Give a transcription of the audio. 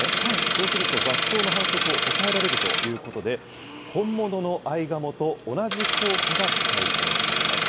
そうすると、雑草の繁殖を抑えられるということで、本物のアイガモと同じ効果が期待されています。